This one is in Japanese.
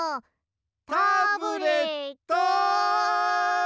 タブレットン！